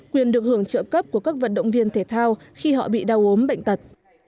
quyền được hưởng trợ cấp của các vận động viên thể thao khi họ bị đau ốm bệnh tật